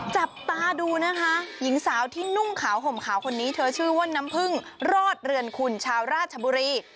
จับตาดูนะคะหญิงสาวที่นุ่งขาวห่มขาวคนนี้เธอชื่อว่าน้ำพึ่งรอดเรือนคุณชาวราชบุรี